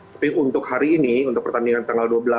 tapi untuk hari ini untuk pertandingan tanggal dua belas